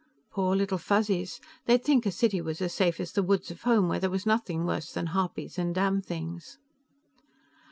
Poor little Fuzzies, they'd think a city was as safe as the woods of home, where there was nothing worse than harpies and damnthings.